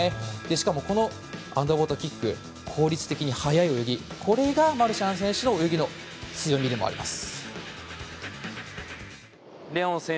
しかもこのアンダーウォーターキック効率的に速い泳ぎがマルシャン選手の泳ぎの強みでもあります。